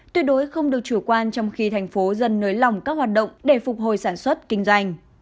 tuyệt đối không được chủ quan trong khi thành phố dần nới lỏng các hoạt động để phục hồi sản xuất kinh doanh